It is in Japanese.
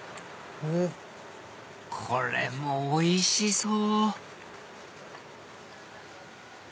これもおいしそう！